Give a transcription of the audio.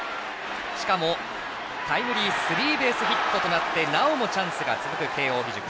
しかもタイムリースリーベースヒットとなってなおもチャンスが続く慶応義塾。